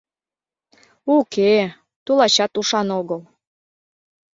Уке-э, тулачат ушан огыл...